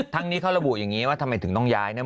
ทั้งนี้เขาระบุอย่างนี้ว่าทำไมถึงต้องย้ายเนี่ย